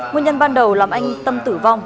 nguyên nhân ban đầu làm anh tâm tử vong